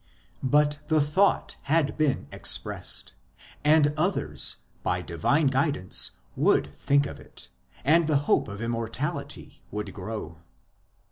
But the thought had been expressed ; and others, by divine guidance, would think of it, and the hope of Immor tality would grow.